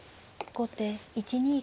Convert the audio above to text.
後手１二角。